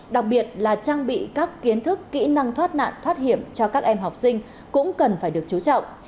đặc biệt là trang bị các kiến thức kỹ năng thoát nạn thoát hiểm cho các em học sinh cũng cần phải được chú trọng